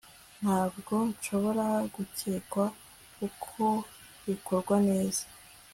ntabwo nshobora gukekwa kuko bikorwa neza